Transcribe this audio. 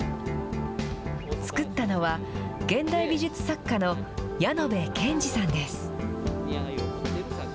作ったのは、現代美術作家のヤノベケンジさんです。